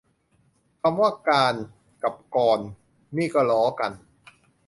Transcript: คำว่า "การ" กับ "กร" นี่ก็ล้อกัน